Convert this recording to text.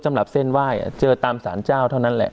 สำหรับเส้นไหว้เจอตามสารเจ้าเท่านั้นแหละ